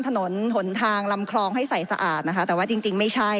ถนนหนทางลำคลองให้ใส่สะอาดนะคะแต่ว่าจริงจริงไม่ใช่